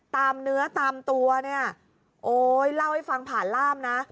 ตามเนื้อตามตัวเนี่ยโอ๊ยเล่าให้ฟังผ่านล่ามนะ